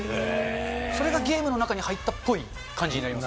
それがゲームの中に入ったっぽい感じになります。